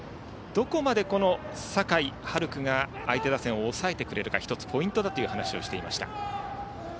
どこまで酒井悠来が相手打線を抑えてくれるかが１つ、ポイントだという話をしていました。